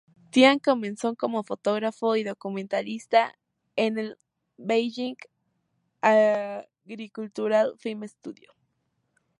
Tian comenzó como fotógrafo y documentalista en el Beijing Agricultural Film Studio.